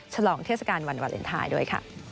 ลองเทศกาลวันวาเลนไทยด้วยค่ะ